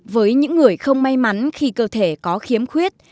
với những người không may mắn khi cơ thể có khiếm khuyết